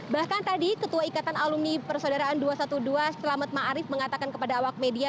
bahkan tadi ketua ikatan alumni persaudaraan dua ratus dua belas selamat ⁇ maarif ⁇ mengatakan kepada awak media